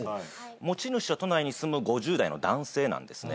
持ち主は都内に住む５０代の男性なんですね。